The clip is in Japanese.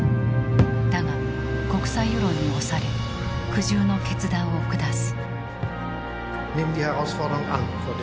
だが国際世論に押され苦渋の決断を下す。